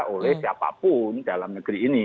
oleh siapapun dalam negeri ini